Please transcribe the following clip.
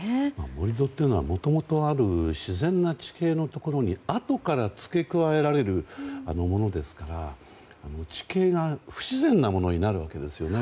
盛り土というのはもともとある自然な地形のところにあとから付け加えられるものですから地形が不自然なものになるわけですよね。